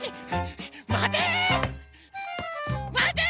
まて！